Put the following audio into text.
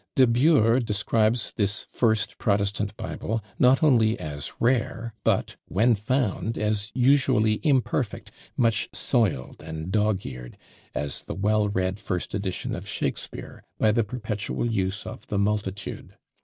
De Bure describes this first protestant Bible not only as rare, but, when found, as usually imperfect, much soiled and dog eared, as the well read first edition of Shakspeare, by the perpetual use of the multitude.